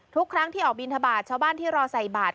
ทุกครั้งที่ออกบินทบาทชาวบ้านที่รอใส่บาท